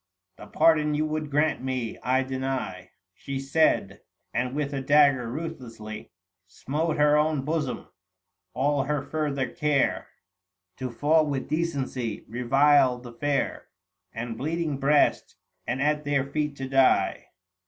" The pardon you would grant me, I deny," She said ;— and with a dagger ruthlessly Smote her own bosom ; all her further care 885 To fall with decency — re veil the fair 64 THE FASTI. Book II. And bleeding breast, and at their feet to die.